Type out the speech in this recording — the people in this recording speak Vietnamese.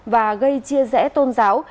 và gây chia rẽ tôn giáo